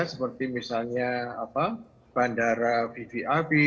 seperti misalnya bandara vvap